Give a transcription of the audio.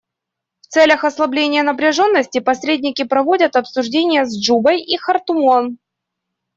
В целях ослабления напряженности посредники проводят обсуждения с Джубой и Хартумом.